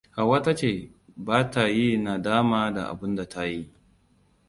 Hauwa tace bata yi nadama da abun da tayi.